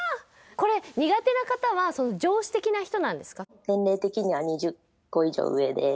これ苦手な方は上司的な人なんですか？